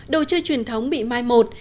đồ chơi truyền thống bị mai một